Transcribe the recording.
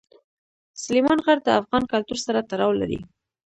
سلیمان غر د افغان کلتور سره تړاو لري.